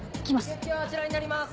受付はあちらになります。